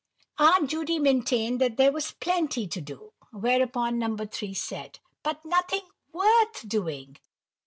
Aunt Judy maintained that there was plenty to do. Whereupon No. 3 said:— "But nothing worth doing."